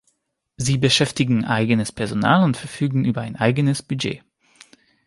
Sie beschäftigen eigenes Personal und verfügen über ein eigenes Budget.